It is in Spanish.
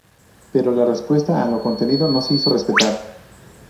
Pero la respuesta a lo acontecido no se hizo esperar.